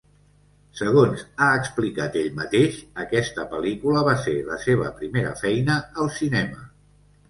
Segons ha explicat ell mateix, aquesta pel·lícula va ser la seva primera feina al cinema.